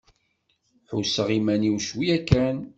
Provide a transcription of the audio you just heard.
Ḥusseɣ iman-iw cwiya kan.